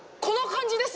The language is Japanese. この感じ！